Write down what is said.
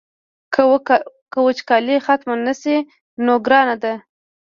که وچکالي ختمه نه شي نو ګرانه ده.